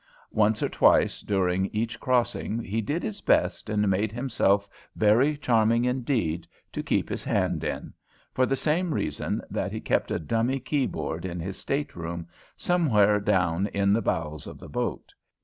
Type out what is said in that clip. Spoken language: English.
Once or twice, during each crossing, he did his best and made himself very charming indeed, to keep his hand in, for the same reason that he kept a dummy keyboard in his stateroom, somewhere down in the bowels of the boat.